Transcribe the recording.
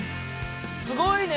すごいね！